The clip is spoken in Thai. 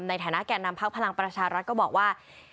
ในแถนนาคารแก่นนำพักภารังประชารัฐก็บอกว่า